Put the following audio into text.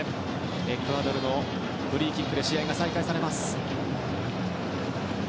エクアドルのフリーキックで試合が再開されます。